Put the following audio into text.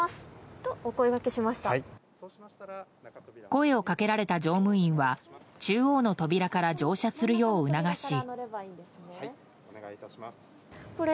声をかけられた乗務員は中央の扉から乗車するよう促し。